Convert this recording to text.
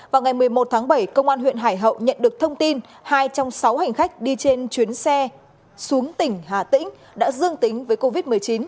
vào ngày một mươi một tháng bảy công an huyện hải hậu nhận được thông tin hai trong sáu hành khách đi trên chuyến xe xuống tỉnh hà tĩnh đã dương tính với covid một mươi chín